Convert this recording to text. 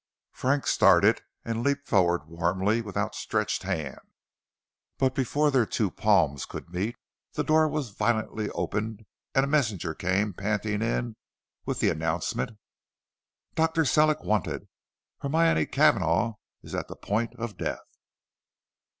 Frank started and leaped forward warmly with outstretched hand. But before their two palms could meet, the door was violently opened and a messenger came panting in with the announcement: "Dr. Sellick's wanted. Hermione Cavanagh is at the point of death."